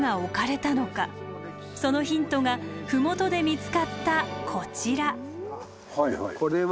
そのヒントが麓で見つかったこちら。